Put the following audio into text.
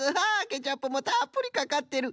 ケチャップもたっぷりかかってる！